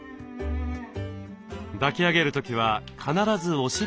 抱き上げる時は必ずお尻を支えます。